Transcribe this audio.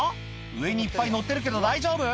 上にいっぱい乗ってるけど大丈夫？